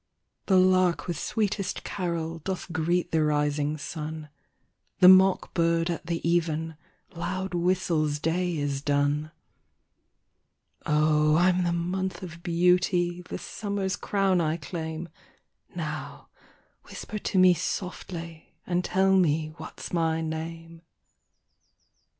The Lark with sweetest carol, Doth greet the rising sun, The Mock bird at the even, Loud whistles day is done. O ! I'm the month of beauty, The summer's crown I claim , Now whisper to me softly, And tell me what's my name.